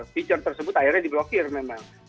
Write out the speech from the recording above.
fitur tersebut akhirnya di blokir memang